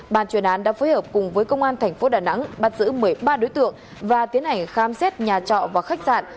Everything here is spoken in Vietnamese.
bàn chuyên án đã phối hợp cùng với công an tp đà nẵng bắt giữ một mươi ba đối tượng và tiến hành khám xét nhà trọ và khách sạn